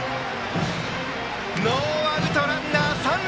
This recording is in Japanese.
ノーアウトランナー、三塁。